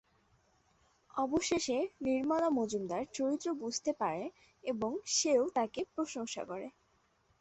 অবশেষে নির্মলা মঞ্জুর চরিত্র বুঝতে পারে এবং সেও তাকে প্রশংসা করে।